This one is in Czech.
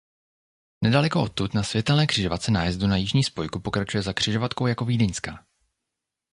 Nedaleko odtud na světelné křižovatce nájezdu na Jižní spojku pokračuje za křižovatkou jako Vídeňská.